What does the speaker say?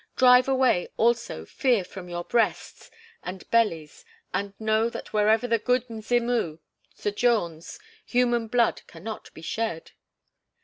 Drive away, also, fear from your breasts and bellies and know that wherever the 'Good Mzimu' sojourns, human blood cannot be shed."